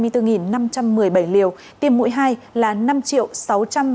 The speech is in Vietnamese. tiêm mũi hai là năm sáu trăm hai mươi một bốn trăm linh ba liều